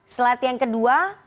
slide yang kedua